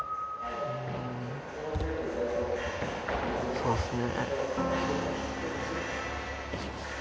そうっすね。